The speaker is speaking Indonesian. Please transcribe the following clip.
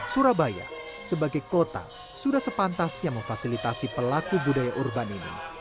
surabaya sebagai kota sudah sepantasnya memfasilitasi pelaku budaya urban ini